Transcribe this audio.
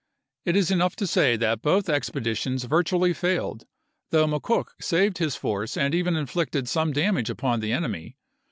It is enough to say that both expeditions virtually failed, though McCook saved his force and even inflicted some damage upon the enemy.